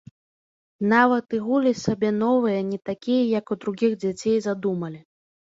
Нават і гулі сабе новыя, не такія, як у другіх дзяцей, задумалі.